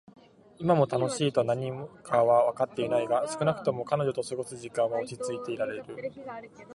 今も「楽しい」とは何かはわかってはいないが、少なくとも彼女と過ごす時間は落ち着いていられる。